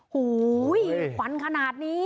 โหหวันขนาดนี้